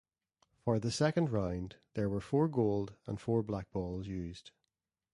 For the second round, there were four gold and four black balls used.